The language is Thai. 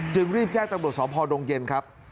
จึงรีบแยกตำรวจสภดงเย็นครับ